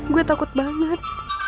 gue takut banget